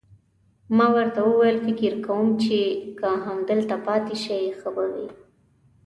ما ورته وویل: فکر کوم چې که همدلته پاتې شئ، ښه به وي.